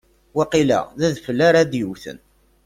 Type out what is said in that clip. Waqila d adfel ara d-yewwten.